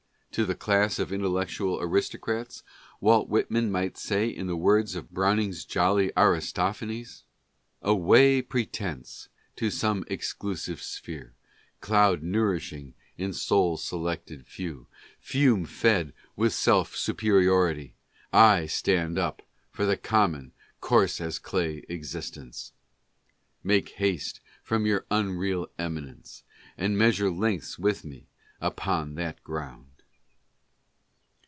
To the class of intellectual aristocrats Walt Whit man might say in the words of Browning's jolly Aristophanes : "Away pretence to some exclusive sphere Cloud nourishing a sole selected few Fume fed with self superiority ! I stand up for the common coarse as clay existence, Make haste from your unreal eminence And measure lengths with me upon that ground."